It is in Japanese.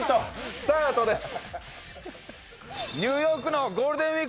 スタートです。